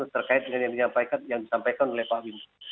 terkait dengan yang disampaikan oleh pak windu